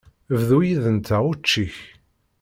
Bḍu yid-nteɣ učči-k.